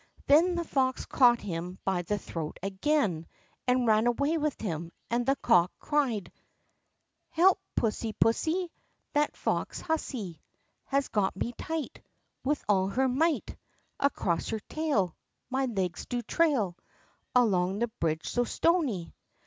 Then the fox caught him by the throat again, and ran away with him, and the cock cried: "Help! pussy pussy! That foxy hussy Has got me tight With all her might. Across her tail My legs do trail Along the bridge so stony!"